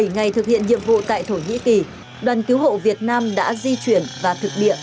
bảy ngày thực hiện nhiệm vụ tại thổ nhĩ kỳ đoàn cứu hộ việt nam đã di chuyển và thực địa